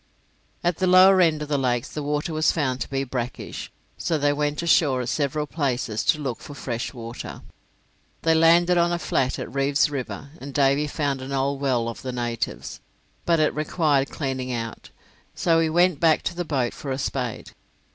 At the lower end of the lakes the water was found to be brackish, so they went ashore at several places to look for fresh water. They landed on a flat at Reeve's River, and Davy found an old well of the natives, but it required cleaning out, so he went back to the boat for a spade.